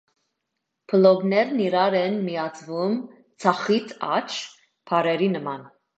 Բլոկներն իրար են միացվում ձախից աջ, բառերի նման։